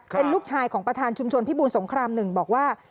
เป็นลูกชายของประธานชุมชนพิบูรสงคราม๑บอกว่า